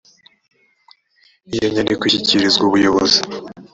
iyo nyandiko ishyikirizwa ubuyobozi.